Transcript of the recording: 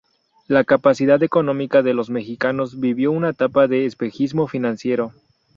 La capacidad económica de los mexicanos vivió una etapa de espejismo financiero.